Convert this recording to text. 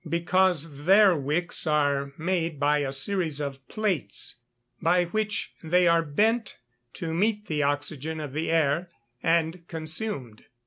_ Because their wicks are made by a series of plaits, by which they are bent to meet the oxygen of the air, and consumed.